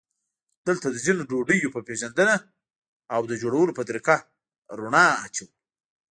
دلته د ځینو ډوډیو په پېژندنه او د جوړولو په طریقه رڼا اچوو.